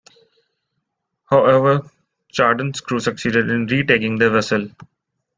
However, "Chardon"s crew succeeded in retaking their vessel.